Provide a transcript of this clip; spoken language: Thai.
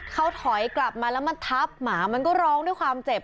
เขาถอยกลับมาแล้วมันทับหมามันก็ร้องด้วยความเจ็บ